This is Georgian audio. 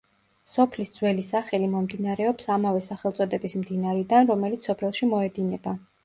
სოფლის ძველი სახელი მომდინარეობს ამავე სახელწოდების მდინარიდან, რომელიც სოფელში მოედინება.